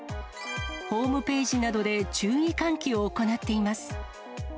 ホームページなどで注意喚起を行っています。